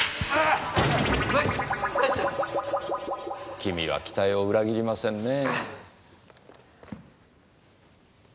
君は期待を裏切りませんねぇ。